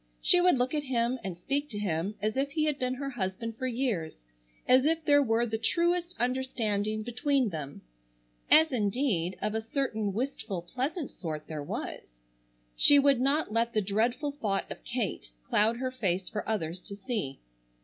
She would look at him and speak to him as if he had been her husband for years, as if there were the truest understanding between them,—as indeed, of a certain wistful, pleasant sort there was. She would not let the dreadful thought of Kate cloud her face for others to see.